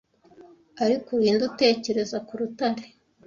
Ariko uri nde utekereza ku rutare